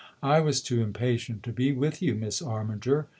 " I was too impatient to be with you, Miss Armiger."